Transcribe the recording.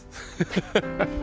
ハハハハ！